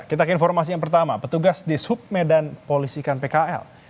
kita ke informasi yang pertama petugas di submedan polisikan pkl